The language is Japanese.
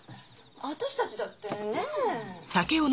私たちだってね。